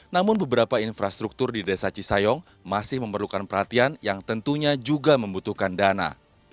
namun beberapa infrastruktur di desa cisayong masih memerlukan perhatian yang tentunya juga membutuhkan dana